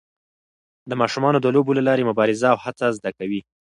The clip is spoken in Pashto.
ماشومان د لوبو له لارې مبارزه او هڅه زده کوي.